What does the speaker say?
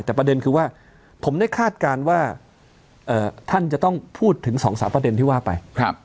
แต่ประเด็นคือว่าผมได้คาดการณ์ว่าท่านจะต้องพูดถึง๒๓ประเด็นที่ว่าไป